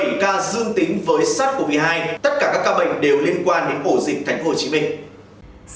tất cả các ca bệnh đều liên quan đến bổ dịch thành phố hồ chí minh